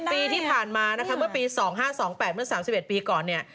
๓๐ปีที่ผ่านมาเมื่อปี๒๕๒๘มัน๓๑ปีก่อน